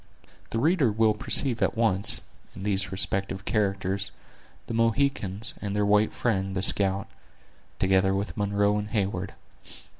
The reader will perceive at once, in these respective characters, the Mohicans, and their white friend, the scout; together with Munro and Heyward.